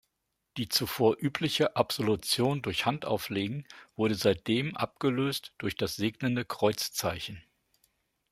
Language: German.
Die zuvor übliche Absolution durch Handauflegen wurde seitdem abgelöst durch das segnende Kreuzzeichen.